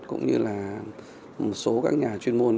cũng như là một số các nhà chuyên môn